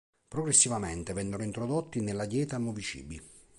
Progressivamente vennero introdotti nella dieta nuovi cibi.